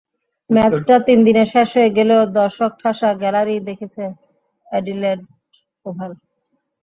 ম্যাচটা তিন দিনে শেষ হয়ে গেলেও দর্শকঠাসা গ্যালারিই দেখেছে অ্যাডিলেড ওভাল।